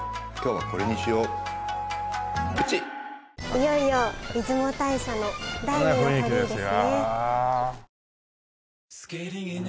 いよいよ出雲大社の第二の鳥居ですね。